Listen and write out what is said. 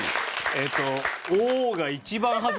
えっと。